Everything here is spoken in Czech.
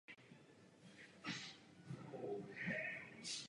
Výsledný snímek je černobílý.